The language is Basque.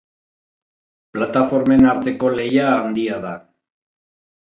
Plataformen arteko lehia handia da.